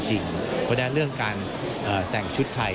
เพราะฉะนั้นเรื่องการแต่งชุดไทย